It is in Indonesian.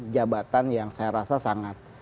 jabatan yang saya rasa sangat